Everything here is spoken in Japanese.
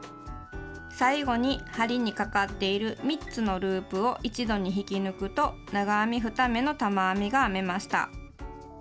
最後に針にかかっている３つのループを一度に引き抜くと長編み２目の玉編みが編めました。